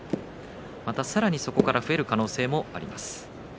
さらに、そこから増える可能性があります。